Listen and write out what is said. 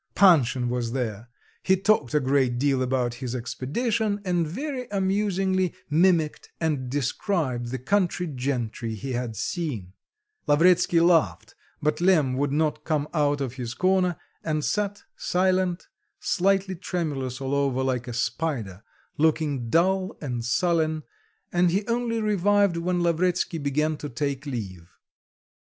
Panshin was there, he talked a great deal about his expedition, and very amusingly mimicked and described the country gentry he had seen; Lavretsky laughed, but Lemm would not come out of his corner, and sat silent, slightly tremulous all over like a spider, looking dull and sullen, and he only revived when Lavretsky began to take leave.